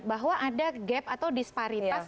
bahwa ada gap atau disparitas